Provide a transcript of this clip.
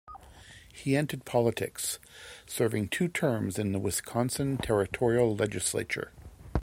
He entered politics, serving two terms in the Wisconsin Territorial Legislature.